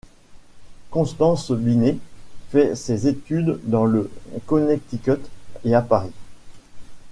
Constance Binney fait ses études dans le Connecticut et à Paris.